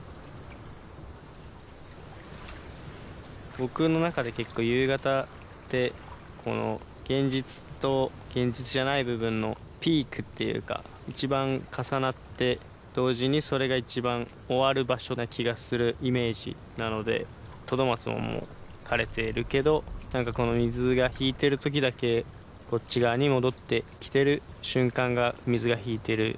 僕の中で結構夕方って「現実」と「現実じゃない部分」のピークっていうか一番重なって同時にそれが一番終わる場所な気がするイメージなのでトドマツももう枯れてるけど何かこの水が引いてる時だけこっち側に戻ってきてる瞬間が水が引いてる時で。